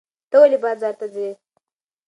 ته ولې بازار ته ځې؟